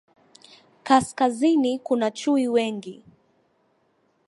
Kaskazini kuna chui wengi